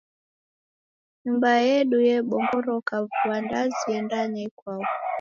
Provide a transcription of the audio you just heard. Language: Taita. Nyumba yedu yebongoroka vua ndazi yendanya ikwau.